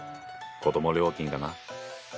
子ども料金だな。